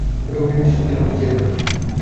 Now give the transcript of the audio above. মোটামুটি নিশ্চিত ছিলাম পিছিয়ে যাবে।